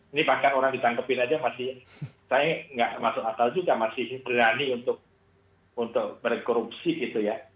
ini bahkan orang ditangkepin aja masih saya nggak masuk akal juga masih berani untuk berkorupsi gitu ya